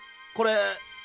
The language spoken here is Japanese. これ。